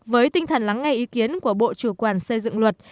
với tinh thần lắng nghe ý kiến của bộ chủ quản xây dựng luật